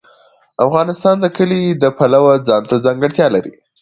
افغانستان د کلي د پلوه ځانته ځانګړتیا لري.